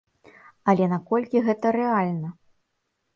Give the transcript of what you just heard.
Але наколькі гэта рэальна?